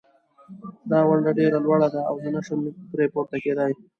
دا غونډی ډېره لوړه ده او زه نه شم پری پورته کېدای